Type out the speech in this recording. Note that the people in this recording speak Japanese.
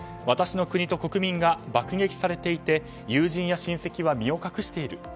私の国と国民が爆撃されていて友人や親戚は身を隠している。